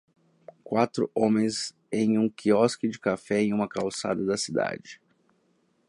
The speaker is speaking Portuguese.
Quatro homens em um quiosque de café em uma calçada da cidade.